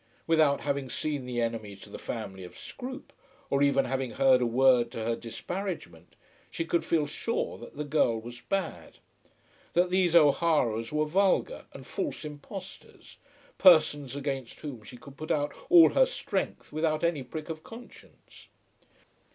Without having seen the enemy to the family of Scroope, or even having heard a word to her disparagement, she could feel sure that the girl was bad, that these O'Haras were vulgar and false impostors, persons against whom she could put out all her strength without any prick of conscience.